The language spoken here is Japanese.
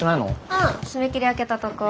うん締め切り明けたとこ。